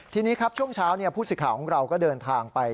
ทีนี้ครับช่วงเช้าผู้สื่อข่าวของเราก็เดินทางไป